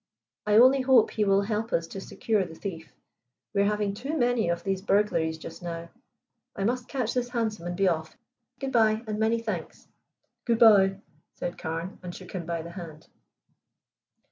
I only hope he will help us to secure the thief. We are having too many of these burglaries just now. I must catch this hansom and be off. Good bye, and many thanks." "Good bye," said Carne, and shook him by the hand.